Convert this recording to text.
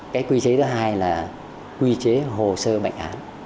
cái quy chế thứ hai là quy chế hồ sơ bệnh án